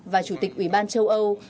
và chủ tịch ủy ban châu âu